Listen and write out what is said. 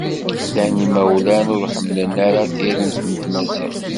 Llan imawlan ur ḥemmlen ara tiremt n tmaziɣt.